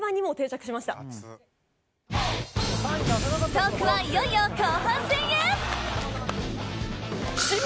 トークはいよいよ後半戦へ。